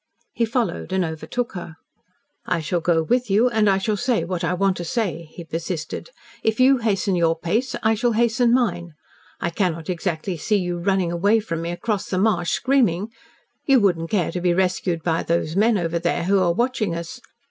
He followed and overtook her. "I shall go with you, and I shall say what I want to say," he persisted. "If you hasten your pace I shall hasten mine. I cannot exactly see you running away from me across the marsh, screaming. You wouldn't care to be rescued by those men over there who are watching us.